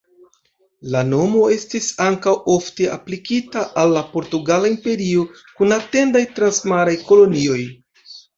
La nomo estis ankaŭ ofte aplikita al la Portugala Imperio, kun etendaj transmaraj kolonioj.